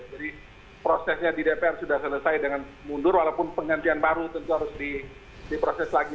jadi prosesnya di dpr sudah selesai dengan mundur walaupun penggantian baru tentu harus diproses lagi